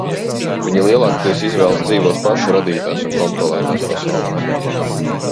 Viņi lielākoties izvēlas dzīvot pašu radītās un kontrolētās pasaulēs.